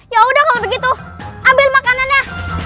ya udah kalau begitu ambil makanannya